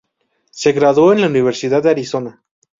Se graduó en la Universidad de Arizona.